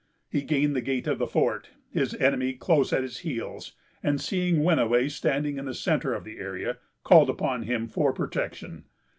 He gained the gate of the fort, his enemy close at his heels, and, seeing Wenniway standing in the centre of the area, called upon him for protection.